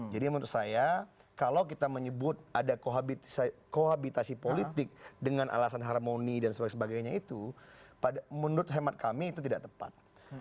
jadi menurut saya kalau kita menyebut ada kohabitasi politik dengan alasan harmoni dan sebagainya itu menurut hemat kami itu tidak tepat